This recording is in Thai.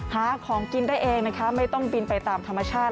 หาของกินได้เองนะคะไม่ต้องบินไปตามธรรมชาติ